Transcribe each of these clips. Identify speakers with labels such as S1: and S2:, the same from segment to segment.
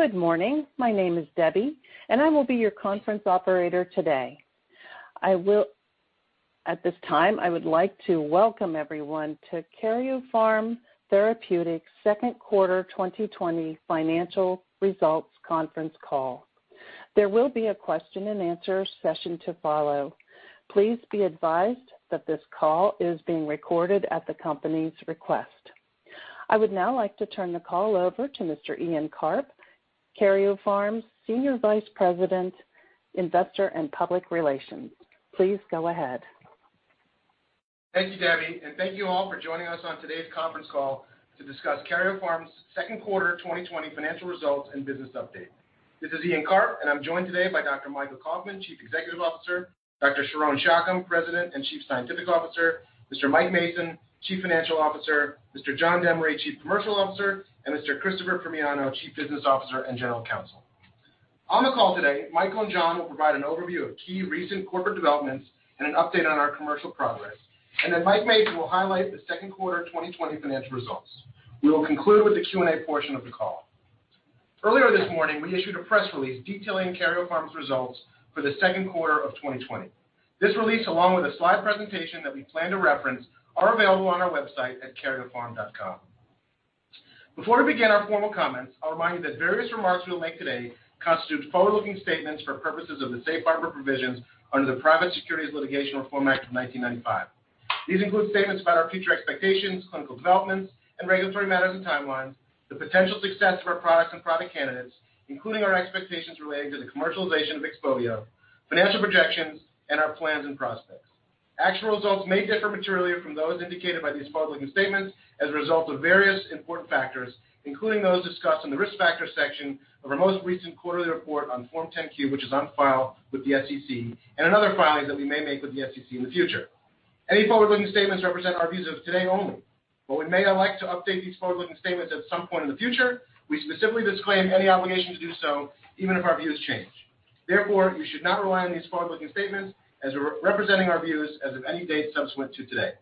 S1: Good morning. My name is Debby, and I will be your conference operator today. At this time, I would like to welcome everyone to Karyopharm Therapeutics' second quarter 2020 financial results conference call. There will be a question and answer session to follow. Please be advised that this call is being recorded at the company's request. I would now like to turn the call over to Mr. Ian Karp, Karyopharm's Senior Vice President, Investor and Public Relations. Please go ahead.
S2: Thank you, Debby, and thank you all for joining us on today's conference call to discuss Karyopharm's second quarter 2020 financial results and business update. This is Ian Karp, and I'm joined today by Dr. Michael Kauffman, Chief Executive Officer, Dr. Sharon Shacham, President and Chief Scientific Officer, Mr. Mike Mason, Chief Financial Officer, Mr. John Demaree, Chief Commercial Officer, and Mr. Christopher Primiano, Chief Business Officer and General Counsel. On the call today, Michael and John will provide an overview of key recent corporate developments and an update on our commercial progress. Mike Mason will highlight the second quarter 2020 financial results. We will conclude with the Q&A portion of the call. Earlier this morning, we issued a press release detailing Karyopharm's results for the second quarter of 2020. This release, along with a slide presentation that we plan to reference, are available on our website at karyopharm.com. Before we begin our formal comments, I'll remind you that various remarks we'll make today constitute forward-looking statements for purposes of the safe harbor provisions under the Private Securities Litigation Reform Act of 1995. These include statements about our future expectations, clinical developments, and regulatory matters and timelines, the potential success of our products and product candidates, including our expectations related to the commercialization of XPOVIO, financial projections, and our plans and prospects. Actual results may differ materially from those indicated by these forward-looking statements as a result of various important factors, including those discussed in the Risk Factors section of our most recent quarterly report on Form 10-Q, which is on file with the SEC, and in other filings that we may make with the SEC in the future. Any forward-looking statements represent our views as of today only. While we may elect to update these forward-looking statements at some point in the future, we specifically disclaim any obligation to do so, even if our views change. You should not rely on these forward-looking statements as representing our views as of any date subsequent to today.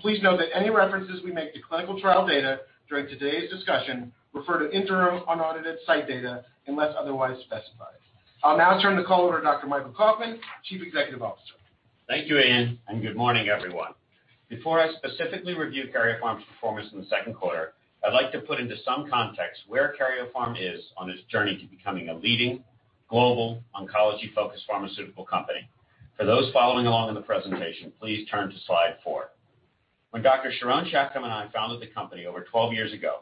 S2: Please note that any references we make to clinical trial data during today's discussion refer to interim unaudited site data unless otherwise specified. I'll now turn the call over to Dr. Michael Kauffman, Chief Executive Officer.
S3: Thank you, Ian. Good morning, everyone. Before I specifically review Karyopharm's performance in the second quarter, I'd like to put into some context where Karyopharm is on this journey to becoming a leading global oncology-focused pharmaceutical company. For those following along in the presentation, please turn to Slide four. When Dr. Sharon Shacham and I founded the company over 12 years ago,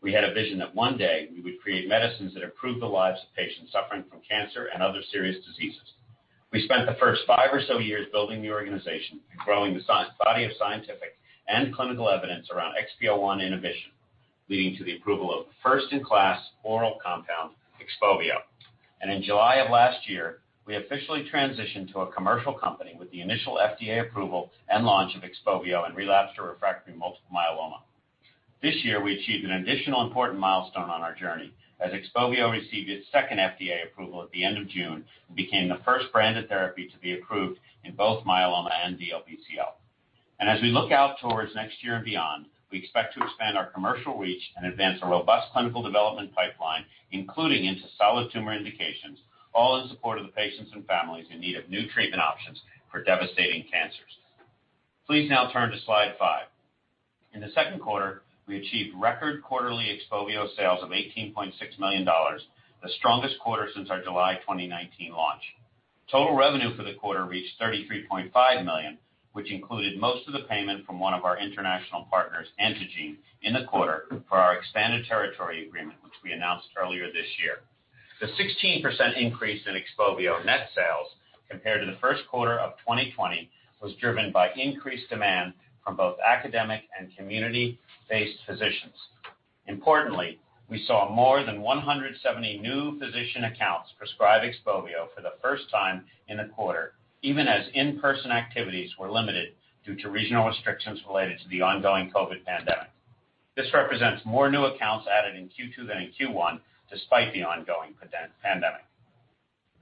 S3: we had a vision that one day we would create medicines that improve the lives of patients suffering from cancer and other serious diseases. We spent the first five or so years building the organization and growing the body of scientific and clinical evidence around XPO1 inhibition, leading to the approval of the first-in-class oral compound, XPOVIO. In July of last year, we officially transitioned to a commercial company with the initial FDA approval and launch of XPOVIO in relapsed or refractory multiple myeloma. This year, we achieved an additional important milestone on our journey as XPOVIO received its second FDA approval at the end of June and became the first branded therapy to be approved in both myeloma and DLBCL. As we look out towards next year and beyond, we expect to expand our commercial reach and advance a robust clinical development pipeline, including into solid tumor indications, all in support of the patients and families in need of new treatment options for devastating cancers. Please now turn to Slide five. In the second quarter, we achieved record quarterly XPOVIO sales of $18.6 million, the strongest quarter since our July 2019 launch. Total revenue for the quarter reached $33.5 million, which included most of the payment from one of our international partners, Antengene, in the quarter for our expanded territory agreement, which we announced earlier this year. The 16% increase in XPOVIO net sales compared to the first quarter of 2020 was driven by increased demand from both academic and community-based physicians. Importantly, we saw more than 170 new physician accounts prescribe XPOVIO for the first time in the quarter, even as in-person activities were limited due to regional restrictions related to the ongoing COVID pandemic. This represents more new accounts added in Q2 than in Q1, despite the ongoing pandemic.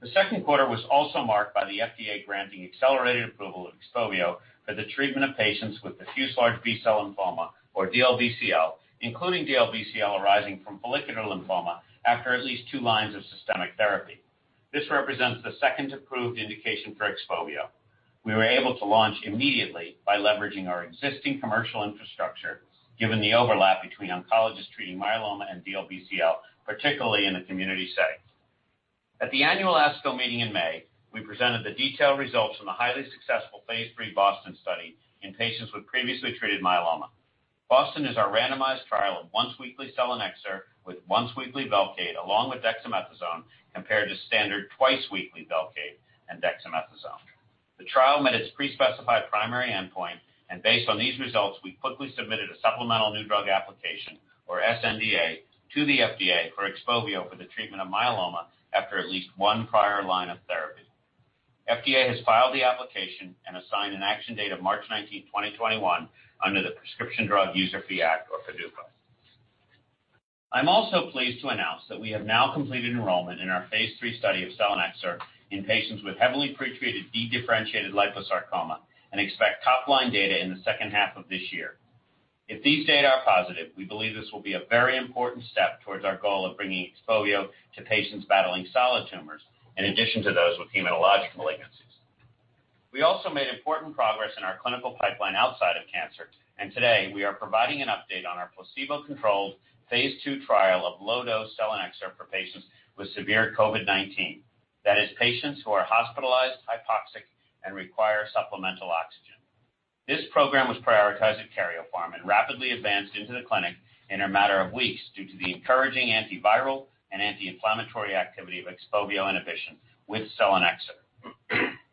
S3: The second quarter was also marked by the FDA granting accelerated approval of XPOVIO for the treatment of patients with diffuse large B-cell lymphoma, or DLBCL, including DLBCL arising from follicular lymphoma after at least 2 lines of systemic therapy. This represents the second approved indication for XPOVIO. We were able to launch immediately by leveraging our existing commercial infrastructure, given the overlap between oncologists treating myeloma and DLBCL, particularly in a community setting. At the annual ASCO meeting in May, we presented the detailed results from the highly successful phase III BOSTON study in patients with previously treated myeloma. BOSTON is our randomized trial of once weekly selinexor with once weekly Velcade, along with dexamethasone, compared to standard twice weekly Velcade and dexamethasone. The trial met its pre-specified primary endpoint, and based on these results, we quickly submitted a supplemental new drug application, or sNDA, to the FDA for XPOVIO for the treatment of myeloma after at least one prior line of therapy. FDA has filed the application and assigned an action date of March 19, 2021, under the Prescription Drug User Fee Act, or PDUFA. I'm also pleased to announce that we have now completed enrollment in our phase III study of selinexor in patients with heavily pretreated dedifferentiated liposarcoma and expect top-line data in the second half of this year. If these data are positive, we believe this will be a very important step towards our goal of bringing XPOVIO to patients battling solid tumors, in addition to those with hematologic malignancies. We also made important progress in our clinical pipeline outside of cancer, and today we are providing an update on our placebo-controlled phase II trial of low-dose selinexor for patients with severe COVID-19. That is, patients who are hospitalized, hypoxic, and require supplemental oxygen. This program was prioritized at Karyopharm and rapidly advanced into the clinic in a matter of weeks due to the encouraging antiviral and anti-inflammatory activity of XPOVIO inhibition with selinexor.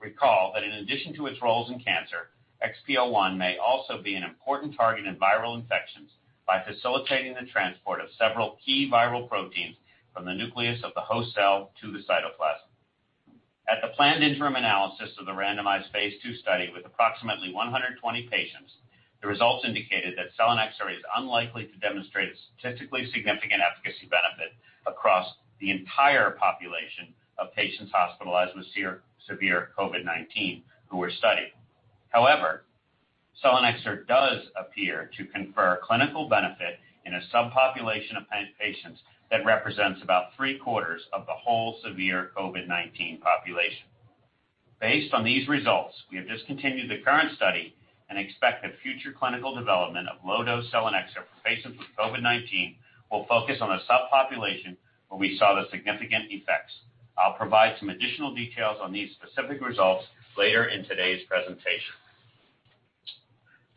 S3: Recall that in addition to its roles in cancer, XPO1 may also be an important target in viral infections by facilitating the transport of several key viral proteins from the nucleus of the host cell to the cytoplasm. At the planned interim analysis of the randomized phase II study with approximately 120 patients, the results indicated that selinexor is unlikely to demonstrate a statistically significant efficacy benefit across the entire population of patients hospitalized with severe COVID-19 who were studied. Selinexor does appear to confer clinical benefit in a subpopulation of patients that represents about three-quarters of the whole severe COVID-19 population. Based on these results, we have discontinued the current study and expect that future clinical development of low-dose selinexor for patients with COVID-19 will focus on the subpopulation where we saw the significant effects. I'll provide some additional details on these specific results later in today's presentation.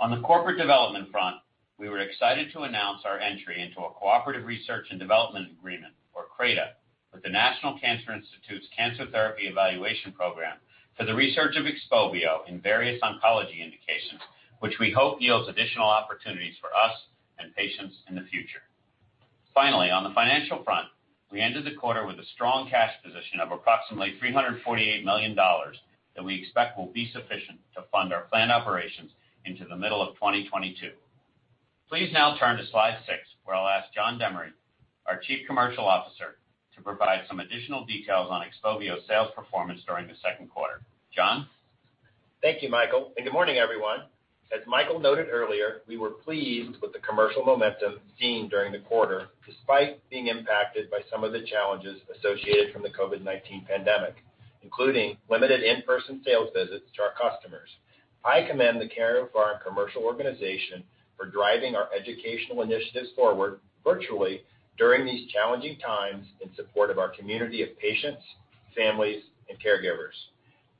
S3: On the corporate development front, we were excited to announce our entry into a Cooperative Research and Development Agreement, or CRADA, with the National Cancer Institute's Cancer Therapy Evaluation Program for the research of XPOVIO in various oncology indications, which we hope yields additional opportunities for us and patients in the future. Finally, on the financial front, we ended the quarter with a strong cash position of approximately $348 million that we expect will be sufficient to fund our planned operations into the middle of 2022. Please now turn to Slide six, where I'll ask John Demaree, our Chief Commercial Officer, to provide some additional details on XPOVIO's sales performance during the second quarter. John?
S4: Thank you, Michael, and good morning, everyone. As Michael noted earlier, we were pleased with the commercial momentum seen during the quarter, despite being impacted by some of the challenges associated with the COVID-19 pandemic, including limited in-person sales visits to our customers. I commend the Karyopharm commercial organization for driving our educational initiatives forward virtually during these challenging times in support of our community of patients, families, and caregivers.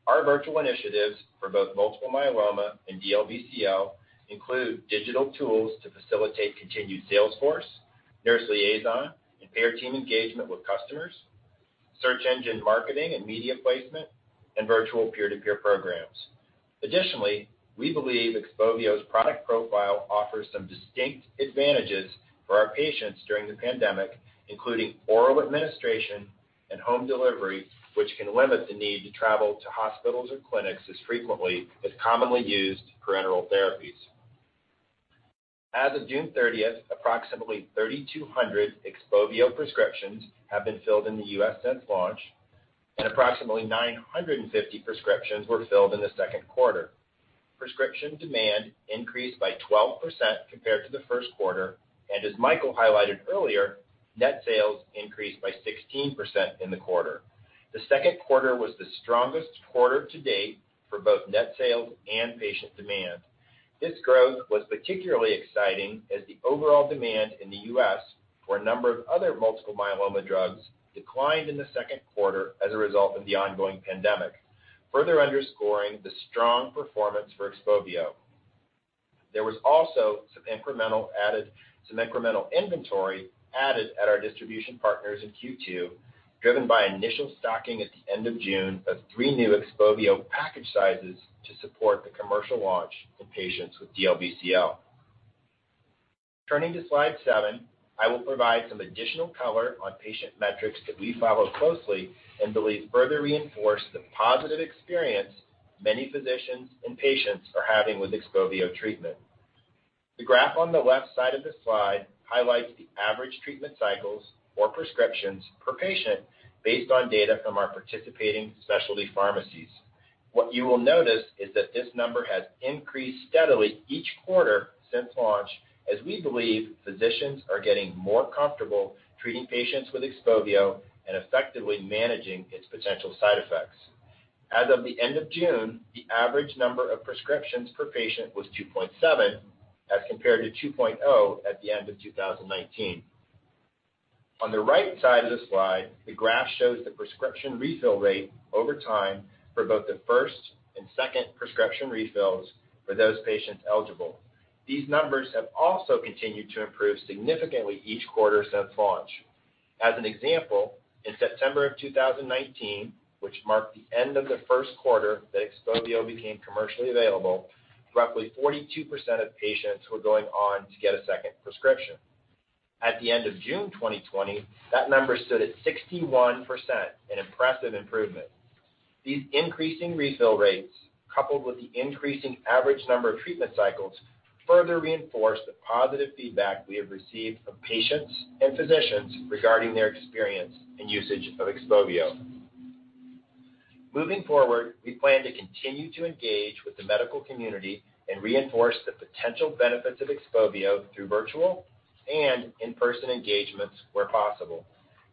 S4: Our virtual initiatives for both multiple myeloma and DLBCL include digital tools to facilitate continued sales force, nurse liaison, and payer team engagement with customers, search engine marketing and media placement, and virtual peer-to-peer programs. Additionally, we believe XPOVIO's product profile offers some distinct advantages for our patients during the pandemic, including oral administration and home delivery, which can limit the need to travel to hospitals or clinics as frequently as commonly used parenteral therapies. As of June 30th, approximately 3,200 XPOVIO prescriptions have been filled in the U.S. since launch, and approximately 950 prescriptions were filled in the second quarter. Prescription demand increased by 12% compared to the first quarter, and as Michael highlighted earlier, net sales increased by 16% in the quarter. The second quarter was the strongest quarter-to-date for both net sales and patient demand. This growth was particularly exciting as the overall demand in the U.S. for a number of other multiple myeloma drugs declined in the second quarter as a result of the ongoing pandemic, further underscoring the strong performance for XPOVIO. There was also some incremental inventory added at our distribution partners in Q2, driven by initial stocking at the end of June of three new XPOVIO package sizes to support the commercial launch in patients with DLBCL. Turning to Slide seven, I will provide some additional color on patient metrics that we follow closely and believe further reinforce the positive experience many physicians and patients are having with XPOVIO treatment. The graph on the left side of this slide highlights the average treatment cycles or prescriptions per patient based on data from our participating specialty pharmacies. What you will notice is that this number has increased steadily each quarter since launch as we believe physicians are getting more comfortable treating patients with XPOVIO and effectively managing its potential side effects. As of the end of June, the average number of prescriptions per patient was 2.7 as compared to 2.0 at the end of 2019. On the right side of the slide, the graph shows the prescription refill rate over time for both the first and second prescription refills for those patients eligible. These numbers have also continued to improve significantly each quarter since launch. As an example, in September of 2019, which marked the end of the first quarter that XPOVIO became commercially available, roughly 42% of patients were going on to get a second prescription. At the end of June 2020, that number stood at 61%, an impressive improvement. These increasing refill rates, coupled with the increasing average number of treatment cycles, further reinforce the positive feedback we have received from patients and physicians regarding their experience and usage of XPOVIO. Moving forward, we plan to continue to engage with the medical community and reinforce the potential benefits of XPOVIO through virtual and in-person engagements where possible.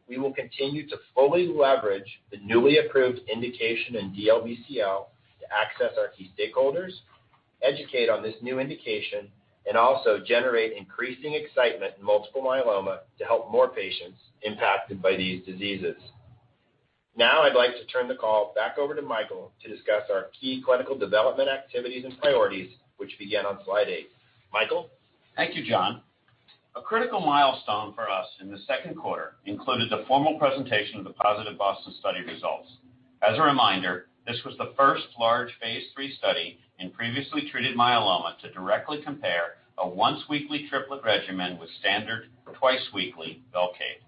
S4: We will continue to fully leverage the newly approved indication in DLBCL to access our key stakeholders, educate on this new indication, and also generate increasing excitement in multiple myeloma to help more patients impacted by these diseases. I'd like to turn the call back over to Michael to discuss our key clinical development activities and priorities, which begin on slide eight. Michael?
S3: Thank you, John. A critical milestone for us in the second quarter included the formal presentation of the positive BOSTON study results. As a reminder, this was the first large phase III study in previously treated myeloma to directly compare a once weekly triplet regimen with standard twice weekly Velcade.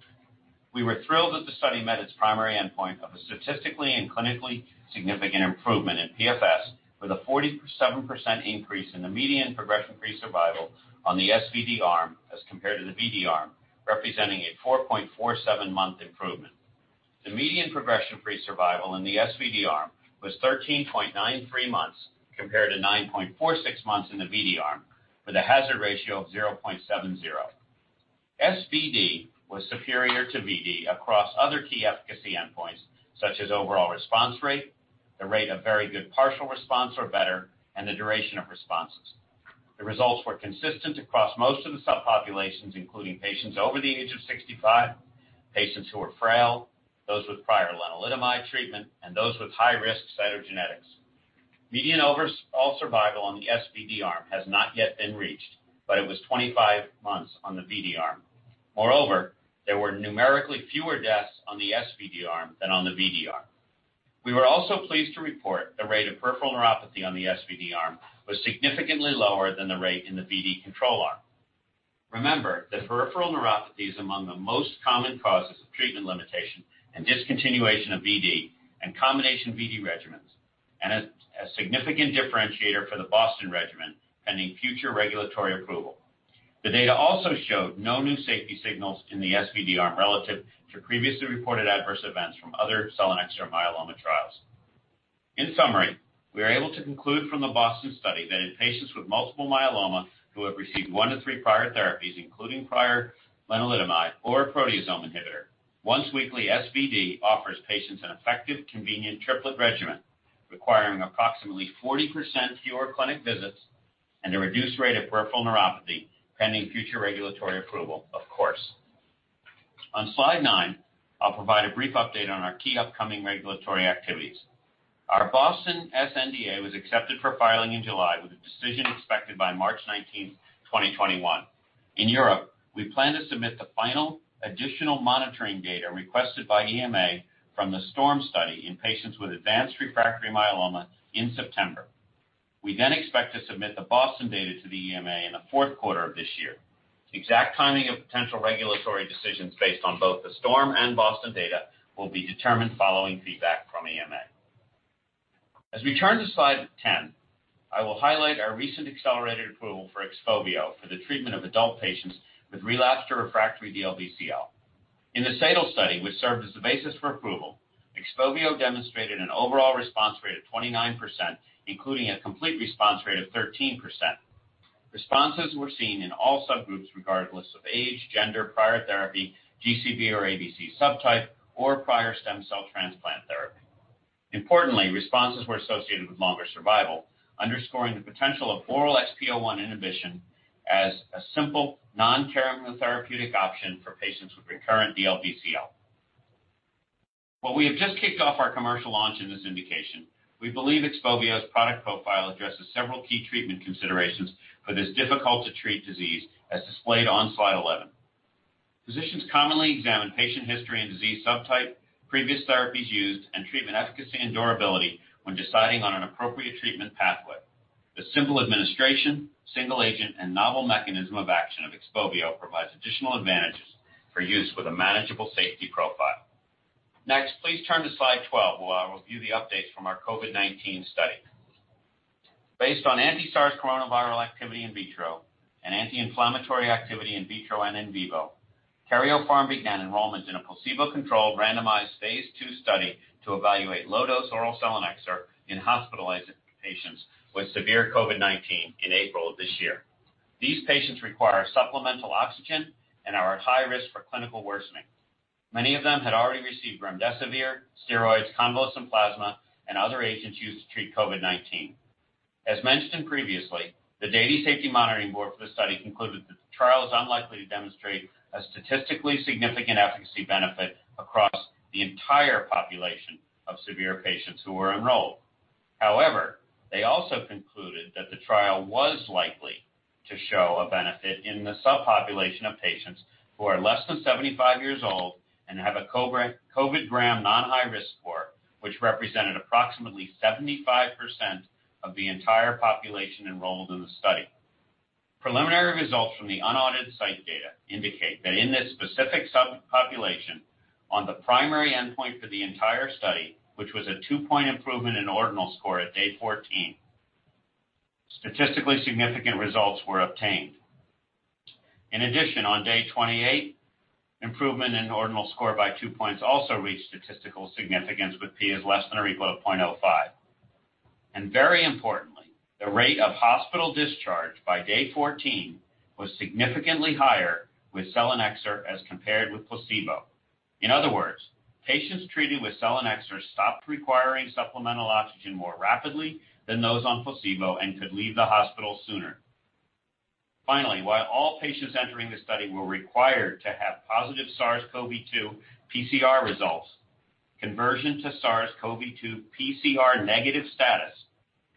S3: We were thrilled that the study met its primary endpoint of a statistically and clinically significant improvement in PFS with a 47% increase in the median progression-free survival on the SVD arm as compared to the VD arm, representing a 4.47 month improvement. The median progression-free survival in the SVD arm was 13.93 months compared to 9.46 months in the VD arm, with a hazard ratio of 0.70. SVD was superior to VD across other key efficacy endpoints such as overall response rate, the rate of very good partial response or better, and the duration of responses. The results were consistent across most of the subpopulations, including patients over the age of 65, patients who were frail, those with prior lenalidomide treatment, and those with high-risk cytogenetics. Median overall survival on the SVD arm has not yet been reached, but it was 25 months on the VD arm. There were numerically fewer deaths on the SVD arm than on the VD arm. We were also pleased to report the rate of peripheral neuropathy on the SVD arm was significantly lower than the rate in the VD control arm. Remember that peripheral neuropathy is among the most common causes of treatment limitation and discontinuation of VD and combination VD regimens, and a significant differentiator for the BOSTON regimen, pending future regulatory approval. The data also showed no new safety signals in the SVD arm relative to previously reported adverse events from other selinexor myeloma trials. In summary, we are able to conclude from the BOSTON study that in patients with multiple myeloma who have received one to three prior therapies, including prior lenalidomide or a proteasome inhibitor, once weekly SVD offers patients an effective, convenient triplet regimen requiring approximately 40% fewer clinic visits and a reduced rate of peripheral neuropathy, pending future regulatory approval, of course. On slide nine, I'll provide a brief update on our key upcoming regulatory activities. Our BOSTON sNDA was accepted for filing in July, with a decision expected by March 19, 2021. In Europe, we plan to submit the final additional monitoring data requested by EMA from the STORM study in patients with advanced refractory myeloma in September. We expect to submit the BOSTON data to the EMA in the fourth quarter of this year. Exact timing of potential regulatory decisions based on both the STORM and BOSTON data will be determined following feedback from EMA. As we turn to slide 10, I will highlight our recent accelerated approval for XPOVIO for the treatment of adult patients with relapsed or refractory DLBCL. In the SADAL study, which served as the basis for approval, XPOVIO demonstrated an overall response rate of 29%, including a complete response rate of 13%. Responses were seen in all subgroups, regardless of age, gender, prior therapy, GCB or ABC subtype, or prior stem cell transplant therapy. Importantly, responses were associated with longer survival, underscoring the potential of oral XPO1 inhibition as a simple non-therapeutic option for patients with recurrent DLBCL. While we have just kicked off our commercial launch in this indication, we believe XPOVIO's product profile addresses several key treatment considerations for this difficult-to-treat disease, as displayed on slide 11. Physicians commonly examine patient history and disease subtype, previous therapies used, and treatment efficacy and durability when deciding on an appropriate treatment pathway. The simple administration, single agent, and novel mechanism of action of XPOVIO provides additional advantages for use with a manageable safety profile. Next, please turn to slide 12 where I will review the updates from our COVID-19 study. Based on anti-SARS-CoV-2 activity in vitro and anti-inflammatory activity in vitro and in vivo, Karyopharm began enrollment in a placebo-controlled randomized phase II study to evaluate low-dose oral selinexor in hospitalized patients with severe COVID-19 in April of this year. These patients require supplemental oxygen and are at high risk for clinical worsening. Many of them had already received remdesivir, steroids, convalescent plasma, and other agents used to treat COVID-19. As mentioned previously, the Data Safety Monitoring Board for the study concluded that the trial is unlikely to demonstrate a statistically significant efficacy benefit across the entire population of severe patients who were enrolled. They also concluded that the trial was likely to show a benefit in the subpopulation of patients who are less than 75 years old and have a COVID-GRAM non-high risk score, which represented approximately 75% of the entire population enrolled in the study. Preliminary results from the unaudited site data indicate that in this specific subpopulation, on the primary endpoint for the entire study, which was a two-point improvement in ordinal score at day 14. Statistically significant results were obtained. On day 28, improvement in ordinal score by two points also reached statistical significance with P is less than or equal to 0.05. Very importantly, the rate of hospital discharge by day 14 was significantly higher with selinexor as compared with placebo. In other words, patients treated with selinexor stopped requiring supplemental oxygen more rapidly than those on placebo and could leave the hospital sooner. Finally, while all patients entering the study were required to have positive SARS-CoV-2 PCR results, conversion to SARS-CoV-2 PCR negative status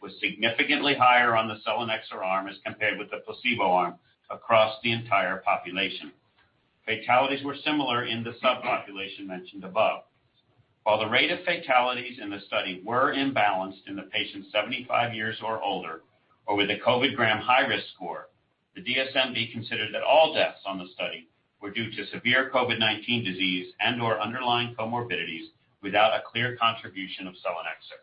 S3: was significantly higher on the selinexor arm as compared with the placebo arm across the entire population. Fatalities were similar in the subpopulation mentioned above. While the rate of fatalities in the study were imbalanced in the patients 75 years or older, or with a COVID-GRAM high-risk score, the DSMB considered that all deaths on the study were due to severe COVID-19 disease and/or underlying comorbidities without a clear contribution of selinexor.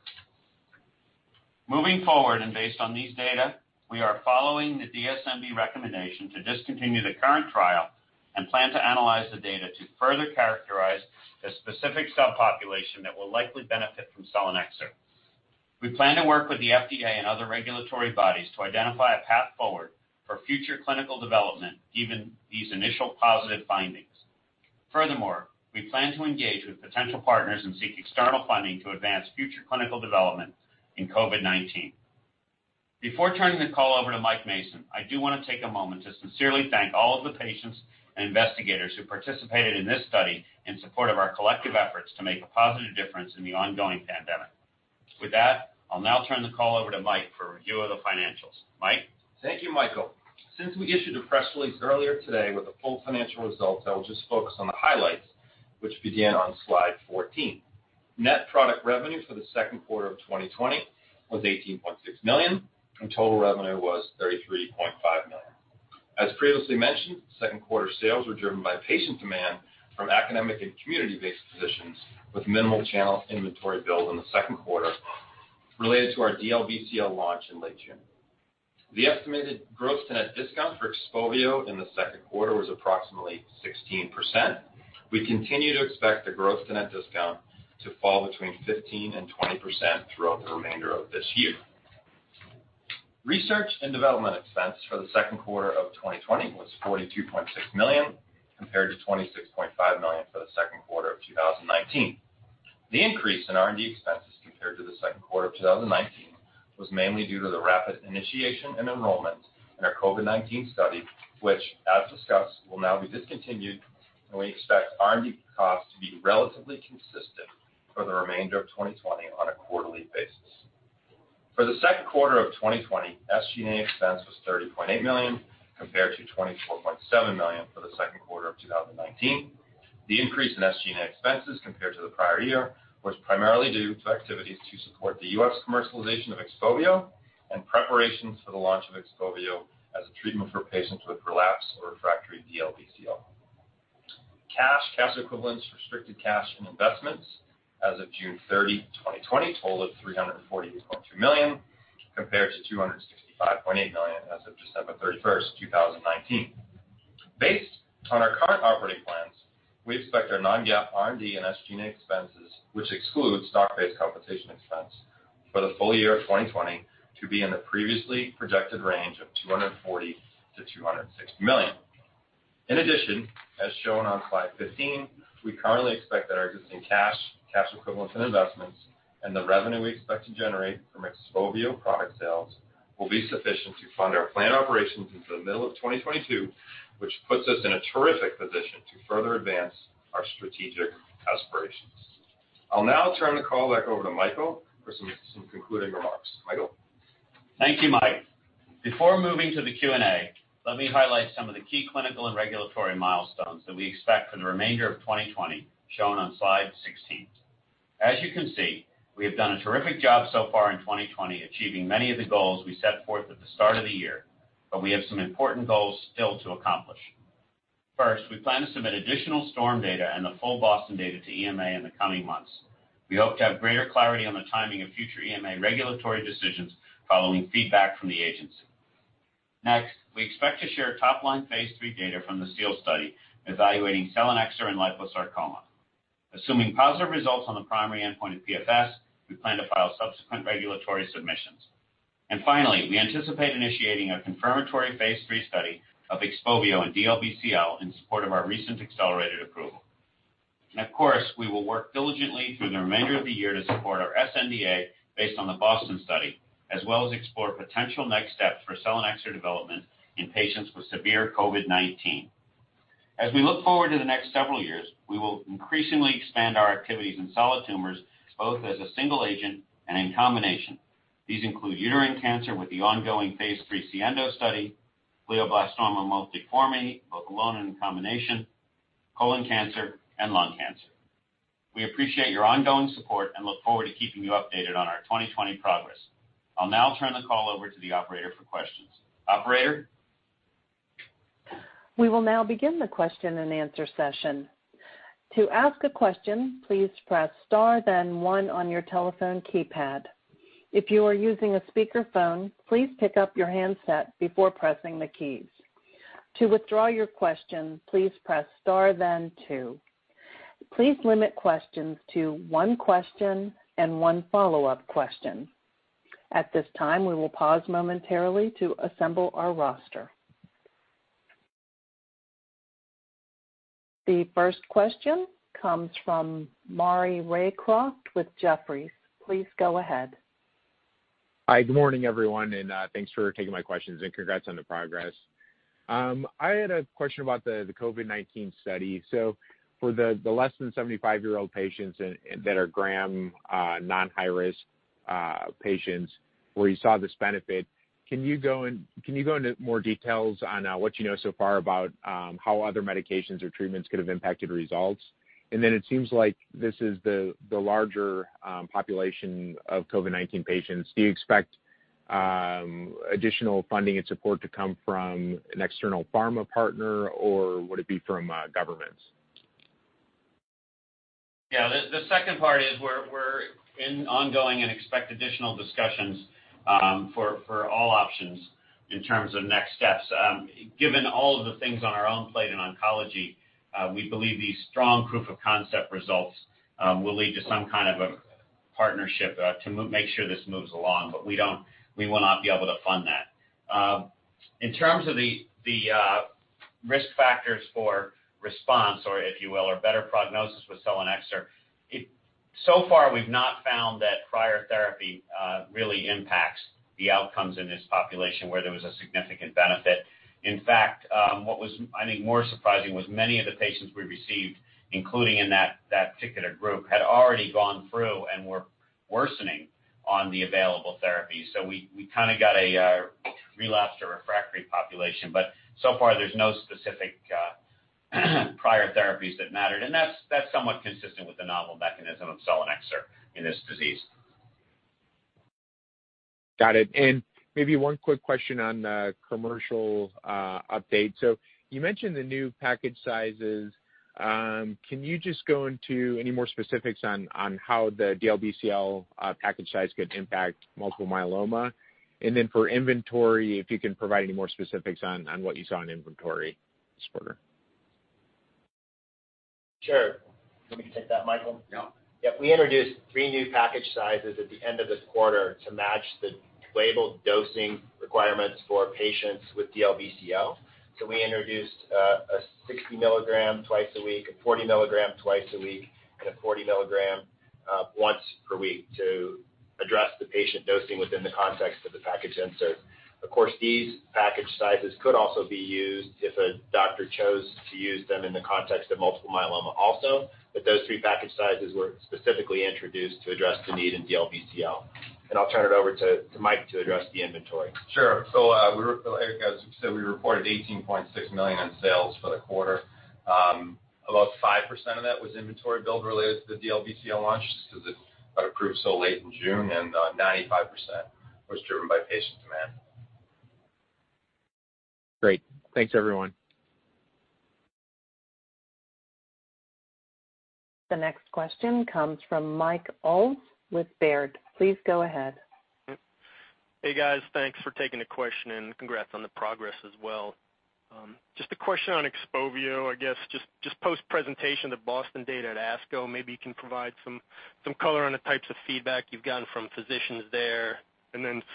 S3: Moving forward and based on these data, we are following the DSMB recommendation to discontinue the current trial and plan to analyze the data to further characterize the specific subpopulation that will likely benefit from selinexor. We plan to work with the FDA and other regulatory bodies to identify a path forward for future clinical development, given these initial positive findings. Furthermore, we plan to engage with potential partners and seek external funding to advance future clinical development in COVID-19. Before turning the call over to Mike Mason, I do want to take a moment to sincerely thank all of the patients and investigators who participated in this study in support of our collective efforts to make a positive difference in the ongoing pandemic. With that, I'll now turn the call over to Mike for a review of the financials. Mike?
S5: Thank you, Michael. Since we issued a press release earlier today with the full financial results, I will just focus on the highlights, which begin on slide 14. Net product revenue for the second quarter of 2020 was $18.6 million, and total revenue was $33.5 million. As previously mentioned, second quarter sales were driven by patient demand from academic and community-based physicians with minimal channel inventory build in the second quarter related to our DLBCL launch in late June. The estimated gross-to-net discount for XPOVIO in the second quarter was approximately 16%. We continue to expect the gross-to-net discount to fall between 15%-20% throughout the remainder of this year. Research and development expense for the second quarter of 2020 was $42.6 million, compared to $26.5 million for the second quarter of 2019. The increase in R&D expenses compared to the second quarter of 2019 was mainly due to the rapid initiation and enrollment in our COVID-19 study, which, as discussed, will now be discontinued, and we expect R&D costs to be relatively consistent for the remainder of 2020 on a quarterly basis. For the second quarter of 2020, SG&A expense was $30.8 million, compared to $24.7 million for the second quarter of 2019. The increase in SG&A expenses compared to the prior year was primarily due to activities to support the U.S. commercialization of XPOVIO and preparations for the launch of XPOVIO as a treatment for patients with relapsed or refractory DLBCL. Cash, cash equivalents, restricted cash, and investments as of June 30, 2020, totaled $340.3 million, compared to $265.8 million as of December 31, 2019. Based on our current operating plans, we expect our non-GAAP R&D and SG&A expenses, which excludes stock-based compensation expense, for the full year of 2020 to be in the previously projected range of $240 million-$260 million. As shown on slide 15, we currently expect that our existing cash equivalents and investments and the revenue we expect to generate from XPOVIO product sales will be sufficient to fund our planned operations into the middle of 2022, which puts us in a terrific position to further advance our strategic aspirations. I'll now turn the call back over to Michael for some concluding remarks. Michael?
S3: Thank you, Mike. Before moving to the Q&A, let me highlight some of the key clinical and regulatory milestones that we expect for the remainder of 2020, shown on slide 16. As you can see, we have done a terrific job so far in 2020 achieving many of the goals we set forth at the start of the year, but we have some important goals still to accomplish. First, we plan to submit additional STORM data and the full BOSTON data to EMA in the coming months. We hope to have greater clarity on the timing of future EMA regulatory decisions following feedback from the agency. Next, we expect to share top-line phase III data from the SEAL study evaluating selinexor in liposarcoma. Assuming positive results on the primary endpoint of PFS, we plan to file subsequent regulatory submissions. Finally, we anticipate initiating a confirmatory phase III study of XPOVIO in DLBCL in support of our recent accelerated approval. Of course, we will work diligently through the remainder of the year to support our sNDA based on the BOSTON study, as well as explore potential next steps for selinexor development in patients with severe COVID-19. As we look forward to the next several years, we will increasingly expand our activities in solid tumors, both as a single agent and in combination. These include uterine cancer with the ongoing phase III SIENDO study, glioblastoma multiforme, both alone and in combination, colon cancer, and lung cancer. We appreciate your ongoing support and look forward to keeping you updated on our 2020 progress. I'll now turn the call over to the operator for questions. Operator?
S1: We will now begin the question and answer session. To ask a question, please press star then one on your telephone keypad. If you are using a speakerphone, please pick up your handset before pressing the keys. To withdraw your question, please press star then two. Please limit questions to one question and one follow-up question. At this time, we will pause momentarily to assemble our roster. The first question comes from Maury Raycroft with Jefferies. Please go ahead.
S6: Hi. Good morning, everyone, and thanks for taking my questions, and congrats on the progress. I had a question about the COVID-19 study. For the less than 75 year old patients that are COVID-GRAM non-high-risk patients, where you saw this benefit, can you go into more details on what you know so far about how other medications or treatments could have impacted results? It seems like this is the larger population of COVID-19 patients. Do you expect additional funding and support to come from an external pharma partner, or would it be from governments?
S3: Yeah, the second part is we're in ongoing and expect additional discussions for all options in terms of next steps. Given all of the things on our own plate in oncology, we believe the strong proof of concept results will lead to some kind of a partnership to make sure this moves along. We will not be able to fund that. In terms of the risk factors for response or if you will, or better prognosis with selinexor, so far, we've not found that prior therapy really impacts the outcomes in this population where there was a significant benefit. In fact, what was more surprising was many of the patients we received, including in that particular group, had already gone through and were worsening on the available therapy. We kind of got a relapsed or refractory population, but so far, there's no specific prior therapies that mattered. That's somewhat consistent with the novel mechanism of selinexor in this disease.
S6: Got it. Maybe one quick question on commercial updates. You mentioned the new package sizes. Can you just go into any more specifics on how the DLBCL package size could impact multiple myeloma? Then for inventory, if you can provide any more specifics on what you saw in inventory this quarter.
S4: Sure. Do you want me to take that, Michael?
S3: Yeah.
S4: Yeah. We introduced three new package sizes at the end of this quarter to match the label dosing requirements for patients with DLBCL. We introduced a 60 mg twice a week, a 40 mg twice a week, and a 40 mg once per week to address the patient dosing within the context of the package insert. Of course, these package sizes could also be used if a doctor chose to use them in the context of multiple myeloma also, but those three package sizes were specifically introduced to address the need in DLBCL. I'll turn it over to Mike to address the inventory.
S5: Sure. As you said, we reported $18.6 million in sales for the quarter. About 5% of that was inventory build related to the DLBCL launch because it got approved so late in June, and 95% was driven by patient demand.
S6: Great. Thanks, everyone.
S1: The next question comes from Mike Ulz with Baird. Please go ahead.
S7: Hey, guys. Thanks for taking the question and congrats on the progress as well. Just a question on XPOVIO, I guess, just post presentation of BOSTON data at ASCO. Maybe you can provide some color on the types of feedback you've gotten from physicians there.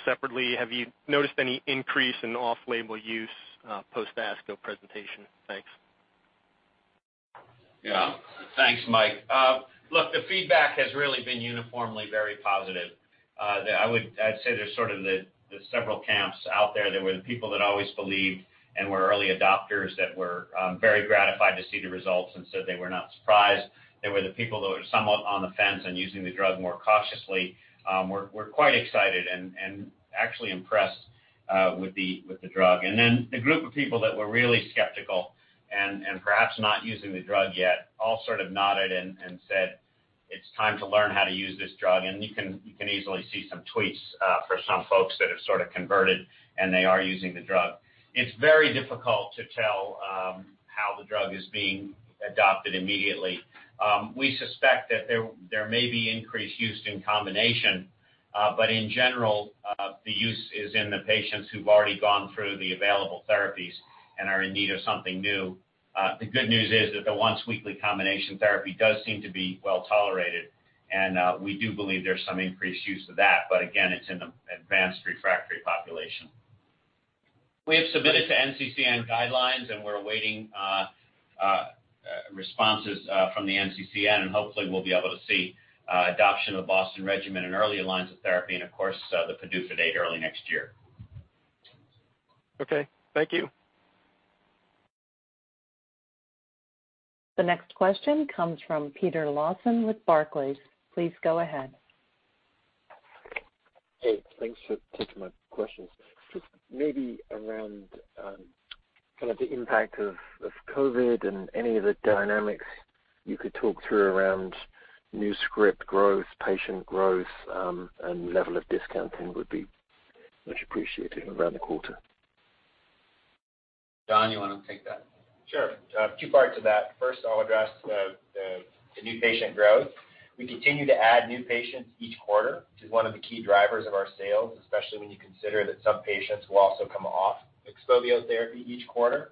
S7: Separately, have you noticed any increase in off-label use post ASCO presentation? Thanks.
S3: Yeah. Thanks, Mike. Look, the feedback has really been uniformly very positive. I'd say there's sort of the several camps out there. There were the people that always believed and were early adopters that were very gratified to see the results and said they were not surprised. There were the people that were somewhat on the fence and using the drug more cautiously, were quite excited and actually impressed with the drug. Then the group of people that were really skeptical and perhaps not using the drug yet all sort of nodded and said, "It's time to learn how to use this drug." You can easily see some tweets for some folks that have sort of converted, and they are using the drug. It's very difficult to tell how the drug is being adopted immediately. We suspect that there may be increased use in combination. In general, the use is in the patients who've already gone through the available therapies and are in need of something new. The good news is that the once weekly combination therapy does seem to be well-tolerated, and we do believe there's some increased use of that, but again, it's in the advanced refractory population. We have submitted to NCCN guidelines, and we're awaiting responses from the NCCN, and hopefully, we'll be able to see adoption of BOSTON regimen in earlier lines of therapy and, of course, the PDUFA data early next year.
S7: Okay. Thank you.
S1: The next question comes from Peter Lawson with Barclays. Please go ahead.
S8: Hey, thanks for taking my questions. Just maybe around kind of the impact of COVID and any of the dynamics you could talk through around new script growth, patient growth, and level of discounting would be much appreciated around the quarter.
S3: John, you want to take that?
S4: Sure. Two parts of that. First, I'll address the new patient growth. We continue to add new patients each quarter, which is one of the key drivers of our sales, especially when you consider that some patients will also come off XPOVIO therapy each quarter.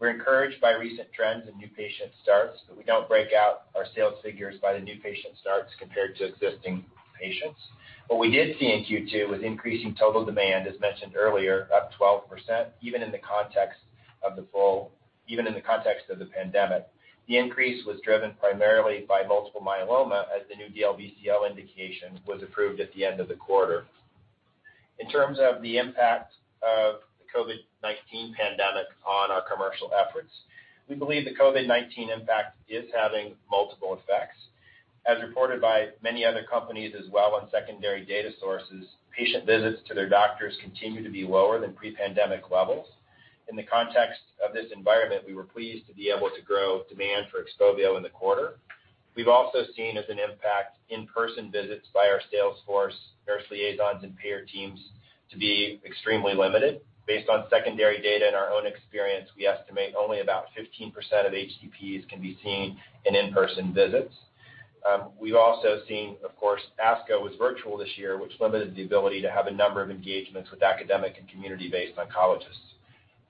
S4: We're encouraged by recent trends in new patient starts. We don't break out our sales figures by the new patient starts compared to existing patients. What we did see in Q2 was increasing total demand, as mentioned earlier, up 12%, even in the context of the pandemic. The increase was driven primarily by multiple myeloma as the new DLBCL indication was approved at the end of the quarter. In terms of the impact of the COVID-19 pandemic on our commercial efforts, we believe the COVID-19 impact is having multiple effects. As reported by many other companies as well on secondary data sources, patient visits to their doctors continue to be lower than pre-pandemic levels. In the context of this environment, we were pleased to be able to grow demand for XPOVIO in the quarter. We've also seen as an impact in-person visits by our sales force, nurse liaisons, and peer teams to be extremely limited. Based on secondary data and our own experience, we estimate only about 15% of HCPs can be seen in in-person visits. We've also seen, of course, ASCO was virtual this year, which limited the ability to have a number of engagements with academic and community-based oncologists.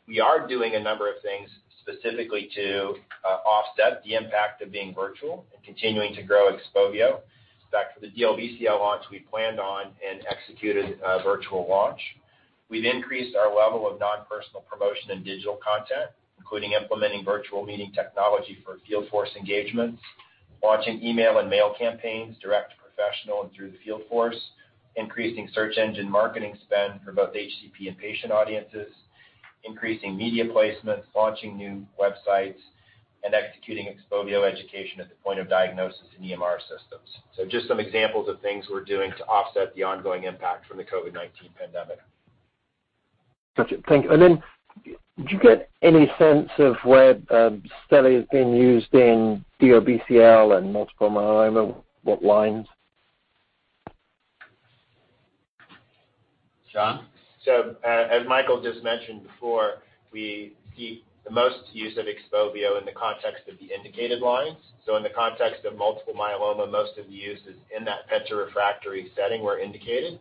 S4: We are doing a number of things specifically to offset the impact of being virtual and continuing to grow XPOVIO. For the DLBCL launch, we planned on and executed a virtual launch. We've increased our level of non-personal promotion and digital content, including implementing virtual meeting technology for field force engagements, launching email and mail campaigns direct to professional and through the field force, increasing search engine marketing spend for both HCP and patient audiences, increasing media placements, launching new websites, and executing XPOVIO education at the point of diagnosis in EMR systems. Just some examples of things we're doing to offset the ongoing impact from the COVID-19 pandemic.
S8: Got you. Thank you. Then, do you get any sense of where XPOVIO is being used in DLBCL and multiple myeloma, what lines?
S3: John?
S4: As Michael just mentioned before, we see the most use of XPOVIO in the context of the indicated lines. In the context of multiple myeloma, most of the use is in that penta-refractory setting where indicated.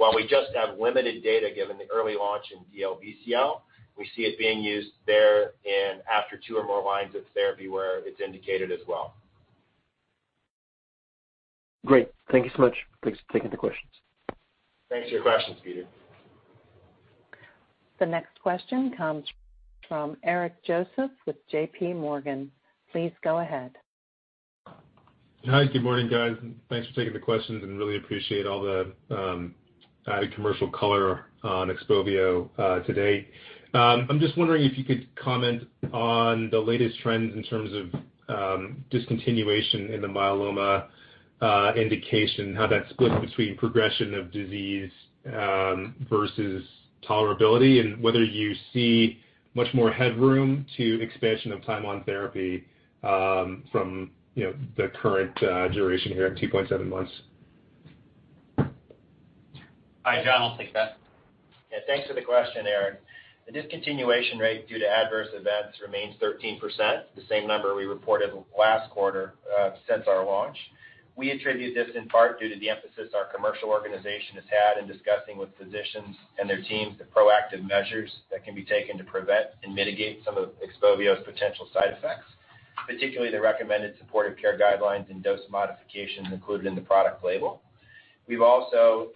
S4: While we just have limited data given the early launch in DLBCL, we see it being used there in after two or more lines of therapy where it's indicated as well.
S8: Great. Thank you so much. Thanks for taking the questions.
S4: Thanks for your question, Peter.
S1: The next question comes from Eric Joseph with JPMorgan. Please go ahead.
S9: Hi. Good morning, guys. Thanks for taking the questions and really appreciate all the added commercial color on XPOVIO today. I'm just wondering if you could comment on the latest trends in terms of discontinuation in the myeloma indication, how that's split between progression of disease versus tolerability, and whether you see much more headroom to expansion of time on therapy from the current duration here of two point seven months.
S3: Hi, John, will take that.
S4: Yeah. Thanks for the question, Eric. The discontinuation rate due to adverse events remains 13%, the same number we reported last quarter since our launch. We attribute this in part due to the emphasis our commercial organization has had in discussing with physicians and their teams the proactive measures that can be taken to prevent and mitigate some of XPOVIO's potential side effects, particularly the recommended supportive care guidelines and dose modifications included in the product label. We also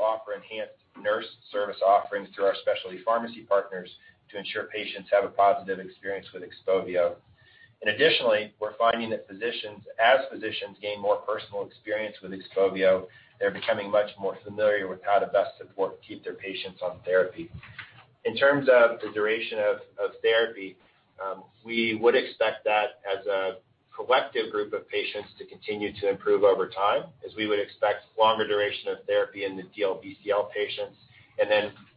S4: offer enhanced nurse service offerings through our specialty pharmacy partners to ensure patients have a positive experience with XPOVIO. Additionally, we're finding that as physicians gain more personal experience with XPOVIO, they're becoming much more familiar with how to best support to keep their patients on therapy. In terms of the duration of therapy, we would expect that as a collective group of patients to continue to improve over time, as we would expect longer duration of therapy in the DLBCL patients.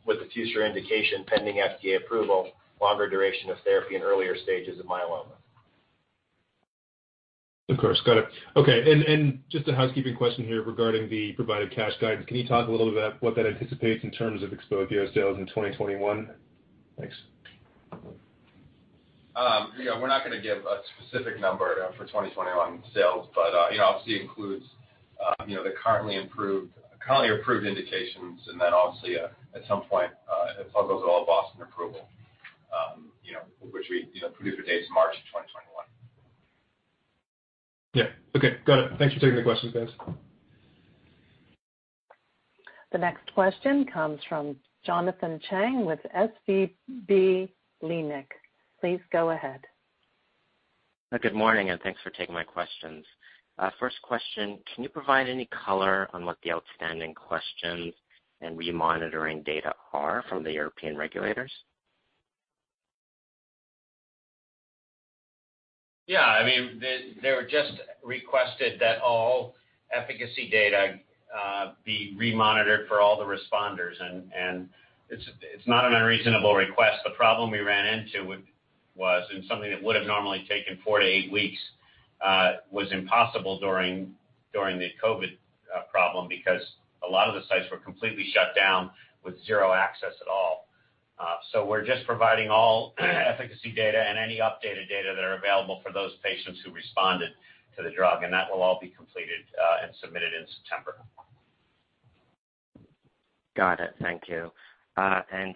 S4: With the future indication pending FDA approval, longer duration of therapy in earlier stages of myeloma.
S9: Of course. Got it. Okay, just a housekeeping question here regarding the provided cash guidance. Can you talk a little bit about what that anticipates in terms of XPOVIO sales in 2021? Thanks.
S5: Yeah. We're not going to give a specific number for 2021 sales, but it obviously includes the currently approved indications. Then obviously, at some point, it all goes to all BOSTON approval, which we PDUFA date is March 2021.
S9: Yeah. Okay. Got it. Thanks for taking the questions, guys.
S1: The next question comes from Jonathan Chang with SVB Leerink. Please go ahead.
S10: Good morning. Thanks for taking my questions. First question, can you provide any color on what the outstanding questions and remonitoring data are from the European regulators?
S3: Yeah. They just requested that all efficacy data be remonitored for all the responders. It's not an unreasonable request. The problem we ran into was in something that would have normally taken four to eight weeks, was impossible during the COVID problem because a lot of the sites were completely shut down with zero access at all. We're just providing all efficacy data and any updated data that are available for those patients who responded to the drug, and that will all be completed and submitted in September.
S10: Got it. Thank you.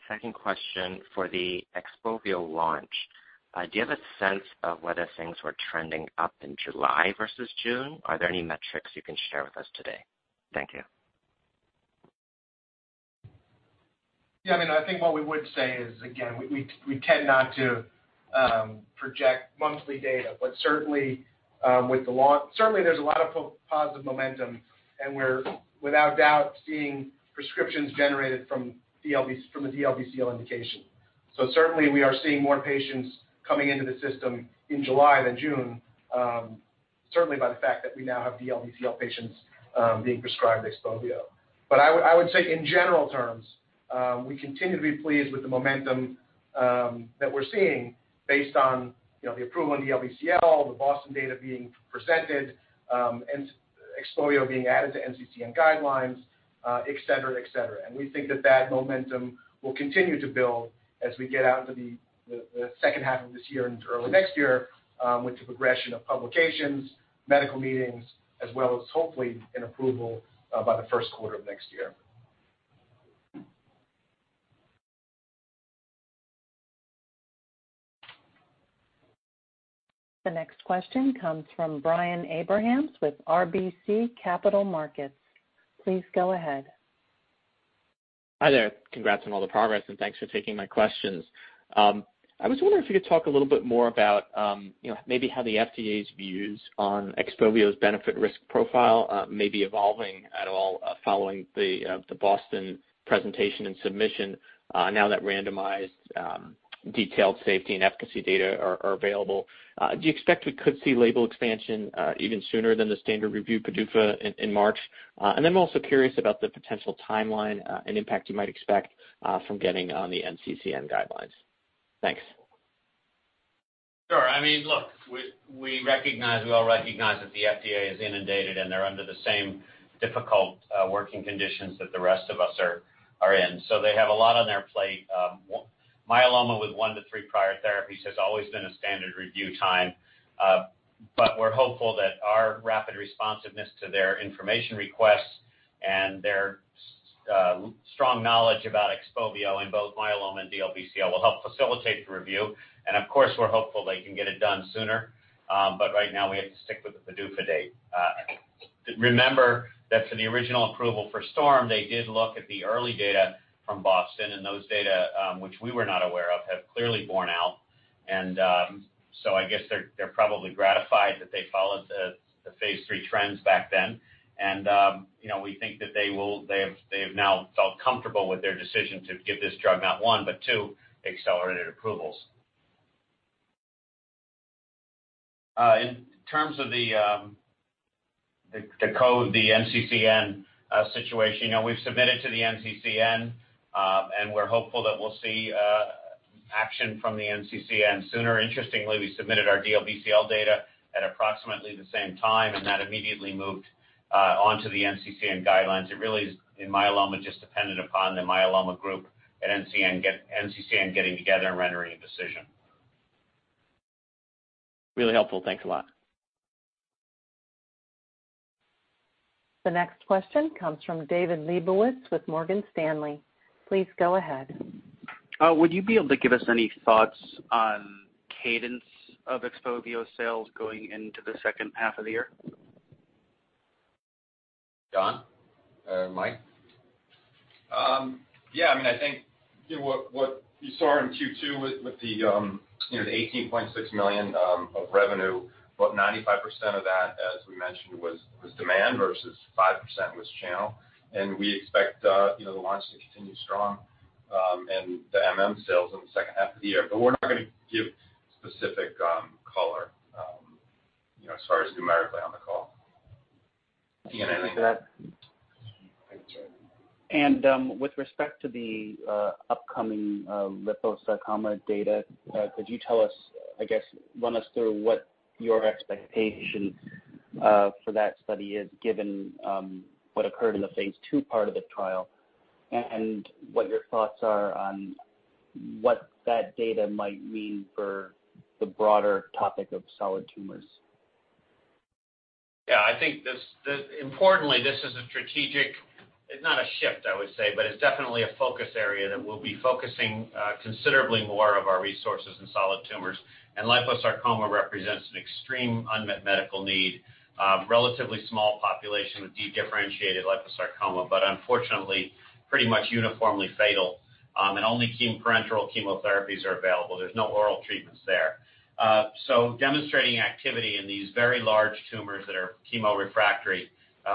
S10: Second question, for the XPOVIO launch, do you have a sense of whether things were trending up in July versus June? Are there any metrics you can share with us today? Thank you.
S4: Yeah, I think what we would say is, again, we tend not to project monthly data, but certainly there's a lot of positive momentum, and we're without doubt seeing prescriptions generated from the DLBCL indication. Certainly, we are seeing more patients coming into the system in July than June, certainly by the fact that we now have DLBCL patients being prescribed XPOVIO. I would say in general terms, we continue to be pleased with the momentum that we're seeing based on the approval in DLBCL, the BOSTON data being presented, and XPOVIO being added to NCCN guidelines, et cetera. We think that that momentum will continue to build as we get out into the second half of this year and into early next year with the progression of publications, medical meetings, as well as hopefully an approval by the first quarter of next year.
S1: The next question comes from Brian Abrahams with RBC Capital Markets. Please go ahead.
S11: Hi there. Congrats on all the progress and thanks for taking my questions. I was wondering if you could talk a little bit more about maybe how the FDA's views on XPOVIO's benefit risk profile may be evolving at all following the BOSTON presentation and submission now that randomized detailed safety and efficacy data are available. Do you expect we could see label expansion even sooner than the standard review PDUFA in March? I'm also curious about the potential timeline and impact you might expect from getting on the NCCN guidelines. Thanks.
S3: Sure. Look, we all recognize that the FDA is inundated, and they're under the same difficult working conditions that the rest of us are in. They have a lot on their plate. Myeloma with one to three prior therapies has always been a standard review time, but we're hopeful that our rapid responsiveness to their information requests and their strong knowledge about XPOVIO in both myeloma and DLBCL will help facilitate the review. Of course, we're hopeful they can get it done sooner. Right now, we have to stick with the PDUFA date. Remember that for the original approval for STORM, they did look at the early data from BOSTON, and those data, which we were not aware of, have clearly borne out. I guess they're probably gratified that they followed the phase III trends back then. We think that they have now felt comfortable with their decision to give this drug not one, but two accelerated approvals. In terms of the COVID, the NCCN situation, we've submitted to the NCCN, and we're hopeful that we'll see action from the NCCN sooner. Interestingly, we submitted our DLBCL data at approximately the same time, and that immediately moved onto the NCCN guidelines. It really is, in myeloma, just dependent upon the myeloma group at NCCN getting together and rendering a decision.
S11: Really helpful. Thanks a lot.
S1: The next question comes from David Lebowitz with Morgan Stanley. Please go ahead.
S12: Would you be able to give us any thoughts on cadence of XPOVIO sales going into the second half of the year?
S3: John or Mike?
S4: I think what you saw in Q2 with the $18.6 million of revenue, about 95% of that, as we mentioned, was demand versus 5% was channel, and we expect the launch to continue strong, and the MM sales in the second half of the year. We're not going to give specific color as far as numerically on the call.
S3: Ian, anything to add?
S12: With respect to the upcoming liposarcoma data, could you, I guess, run us through what your expectation for that study is given what occurred in the phase II part of the trial and what your thoughts are on what that data might mean for the broader topic of solid tumors?
S3: I think importantly, this is a strategic, not a shift, I would say, but it's definitely a focus area that we'll be focusing considerably more of our resources in solid tumors. Liposarcoma represents an extreme unmet medical need, relatively small population with dedifferentiated liposarcoma, but unfortunately pretty much uniformly fatal, and only parenteral chemotherapies are available. There's no oral treatments there. Demonstrating activity in these very large tumors that are chemo-refractory,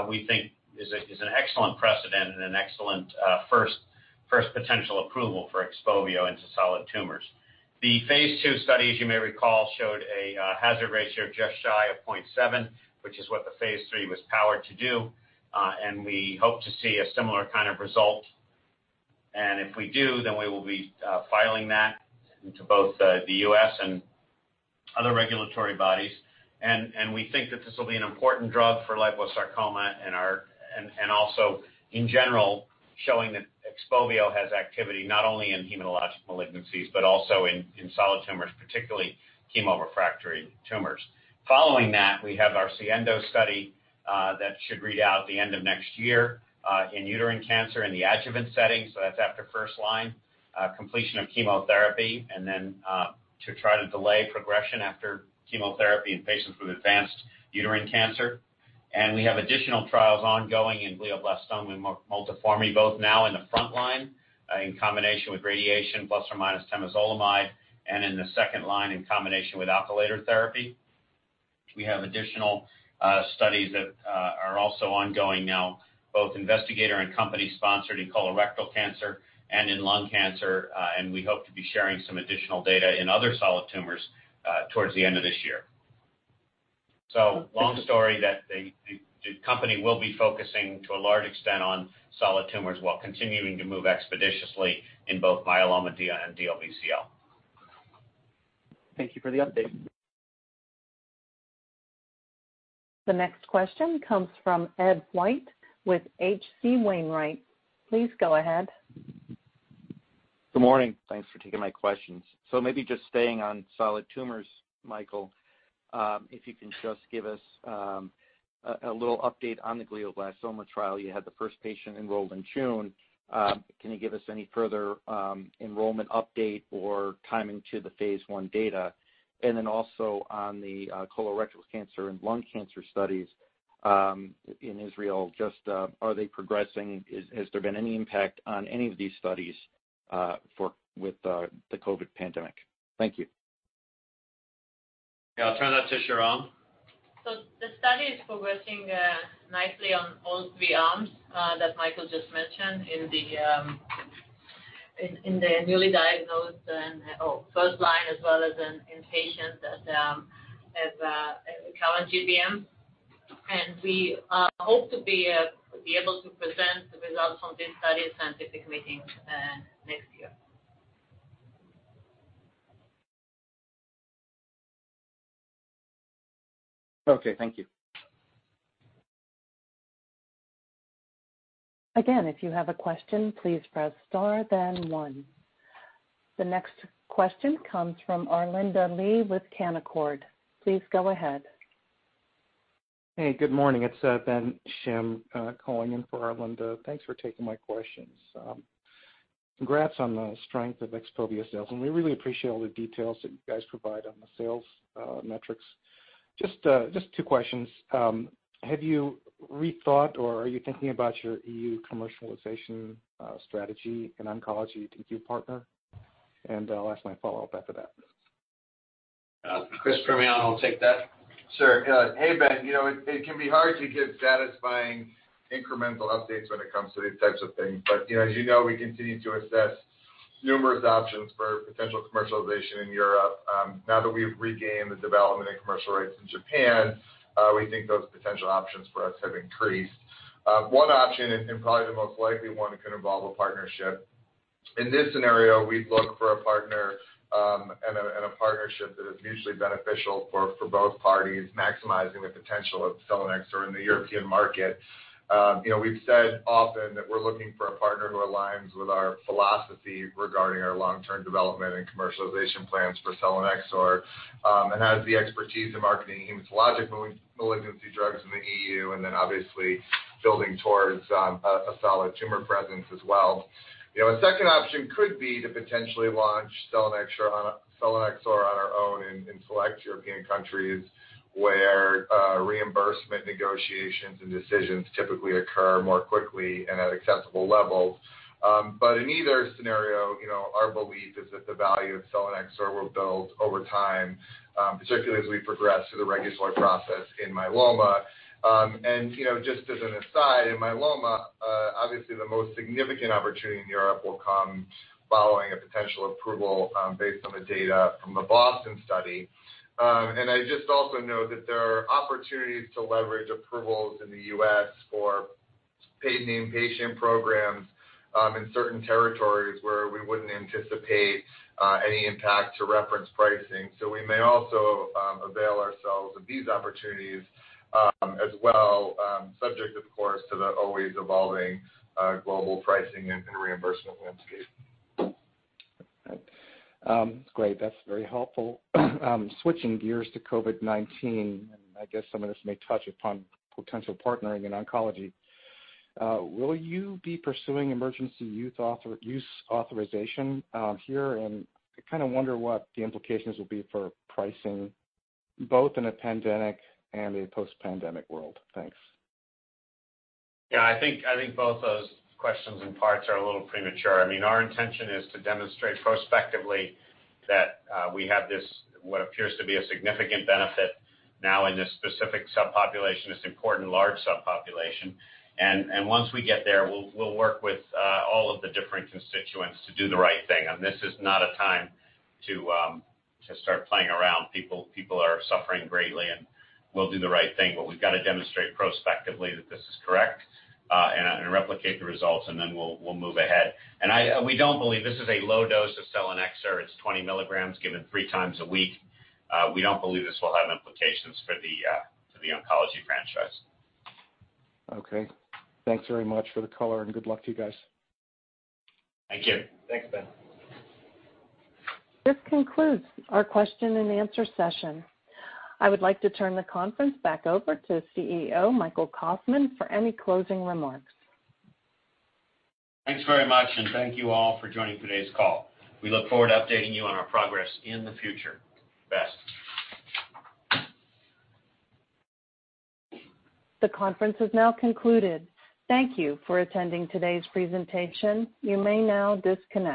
S3: we think is an excellent precedent and an excellent first potential approval for XPOVIO into solid tumors. The phase II study, as you may recall, showed a hazard ratio of just shy of 0.7, which is what the phase III was powered to do, and we hope to see a similar kind of result. If we do, then we will be filing that into both the U.S. and other regulatory bodies. We think that this will be an important drug for liposarcoma and also in general, showing that XPOVIO has activity not only in hematologic malignancies, but also in solid tumors, particularly chemo-refractory tumors. Following that, we have our SIENDO study that should read out at the end of next year in uterine cancer in the adjuvant setting, so that's after first-line completion of chemotherapy, then to try to delay progression after chemotherapy in patients with advanced uterine cancer. We have additional trials ongoing in glioblastoma multiforme, both now in the front line in combination with radiation plus or minus temozolomide, and in the second line in combination with alkylator therapy. We have additional studies that are also ongoing now, both investigator and company-sponsored in colorectal cancer and in lung cancer. We hope to be sharing some additional data in other solid tumors towards the end of this year. Long story that the company will be focusing to a large extent on solid tumors while continuing to move expeditiously in both myeloma and DLBCL.
S12: Thank you for the update.
S1: The next question comes from Ed White with H.C. Wainwright. Please go ahead.
S13: Good morning. Thanks for taking my questions. Maybe just staying on solid tumors, Michael, if you can just give us a little update on the glioblastoma trial. You had the first patient enrolled in June. Can you give us any further enrollment update or timing to the phase I data? Also on the colorectal cancer and lung cancer studies in Israel, just are they progressing? Has there been any impact on any of these studies with the COVID pandemic? Thank you.
S3: Yeah. I'll turn that to Sharon.
S14: The study is progressing nicely on all three arms that Michael just mentioned in the newly diagnosed and first line, as well as in patients that have current GBM. We hope to be able to present the results from this study at scientific meetings next year.
S13: Okay. Thank you.
S1: If you have a question, please press star then one. The next question comes from Arlinda Lee with Canaccord. Please go ahead.
S15: Hey, good morning. It's Ben Shim calling in for Arlinda. Thanks for taking my questions. Congrats on the strength of XPOVIO sales. We really appreciate all the details that you guys provide on the sales metrics. Just two questions. Have you rethought or are you thinking about your EU commercialization strategy in oncology? Do you partner? I'll ask my follow-up after that.
S3: Chris Primiano I'll take that.
S16: Sure. Hey, Ben, it can be hard to give satisfying incremental updates when it comes to these types of things. As you know, we continue to assess numerous options for potential commercialization in Europe. Now that we've regained the development and commercial rights in Japan, we think those potential options for us have increased. One option, and probably the most likely one, could involve a partnership. In this scenario, we'd look for a partner and a partnership that is mutually beneficial for both parties, maximizing the potential of selinexor in the European market. We've said often that we're looking for a partner who aligns with our philosophy regarding our long-term development and commercialization plans for selinexor, and has the expertise in marketing hematologic malignancy drugs in the EU, and then obviously building towards a solid tumor presence as well. A second option could be to potentially launch selinexor on our own in select European countries where reimbursement negotiations and decisions typically occur more quickly and at acceptable levels. In either scenario, our belief is that the value of selinexor will build over time, particularly as we progress through the regulatory process in myeloma. Just as an aside, in myeloma, obviously the most significant opportunity in Europe will come following a potential approval based on the data from the BOSTON study. I just also know that there are opportunities to leverage approvals in the U.S. for paid inpatient programs in certain territories where we wouldn't anticipate any impact to reference pricing. We may also avail ourselves of these opportunities as well, subject of course, to the always evolving global pricing and reimbursement landscape.
S15: Great. That's very helpful. Switching gears to COVID-19. I guess some of this may touch upon potential partnering in oncology. Will you be pursuing emergency use authorization here? I kind of wonder what the implications will be for pricing, both in a pandemic and a post-pandemic world. Thanks.
S3: Yeah, I think both those questions in parts are a little premature. Our intention is to demonstrate prospectively that we have this, what appears to be a significant benefit now in this specific subpopulation, this important large subpopulation. Once we get there, we'll work with all of the different constituents to do the right thing. This is not a time to start playing around. People are suffering greatly, and we'll do the right thing. We've got to demonstrate prospectively that this is correct and replicate the results, and then we'll move ahead. We don't believe this is a low dose of selinexor. It's 20 mg given three times a week. We don't believe this will have implications for the oncology franchise.
S15: Okay. Thanks very much for the color, and good luck to you guys.
S3: Thank you.
S16: Thanks, Ben.
S1: This concludes our question and answer session. I would like to turn the conference back over to CEO, Michael Kauffman, for any closing remarks.
S3: Thanks very much, and thank you all for joining today's call. We look forward to updating you on our progress in the future. Best.
S1: The conference is now concluded. Thank you for attending today's presentation. You may now disconnect.